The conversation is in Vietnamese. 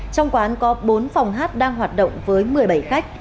trong quán có bốn phòng hát đang hoạt động với một mươi bảy khách